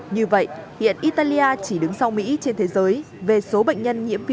như vậy hiện italia chỉ đứng sau mỹ trên thế giới